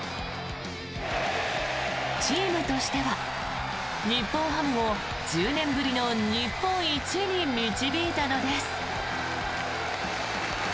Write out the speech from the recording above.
チームとしては日本ハムを１０年ぶりの日本一に導いたのです。